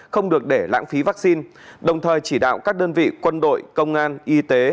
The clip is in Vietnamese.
không được để lãng phí vaccine đồng thời chỉ đạo các đơn vị quân đội công an y tế